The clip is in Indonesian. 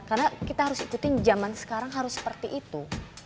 karena kita harus ikutin zaman sekarang harus seperti itu